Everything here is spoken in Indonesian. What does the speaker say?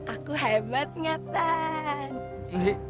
aku hebat ngertan